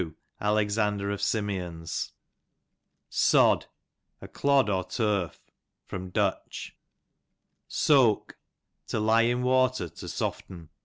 Alexander of Simeons, Sod, a clod, or turf. Du. Soke, to lie in water to soften.